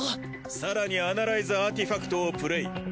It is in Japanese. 更にアナライズアーティファクトをプレイ。